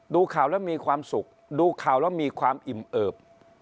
ดูข่าวแล้วมีความสุขดูข่าวแล้วมีความอิ่มเอิบ